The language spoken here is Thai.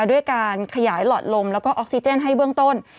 ด้วยการขยายหลอดลมแล้วก็ออกซิเจนให้เบื้องต้น